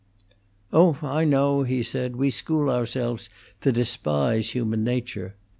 "Oh, I know," he said, "we school ourselves to despise human nature.